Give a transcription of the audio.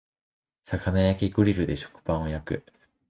魚焼きグリルで食パンを焼く